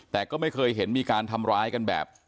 แต่ก็ไม่เคยเห็นมีการทำร้ายกันแบบ